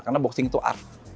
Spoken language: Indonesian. karena boxing itu art